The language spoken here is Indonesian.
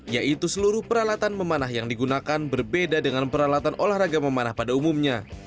yaitu seluruh peralatan memanah yang digunakan berbeda dengan peralatan olahraga memanah pada umumnya